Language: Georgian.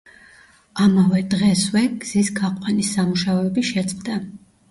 ამავე დღესვე გზის გაყვანის სამუშაოები შეწყდა.